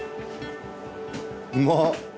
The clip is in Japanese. うまっ！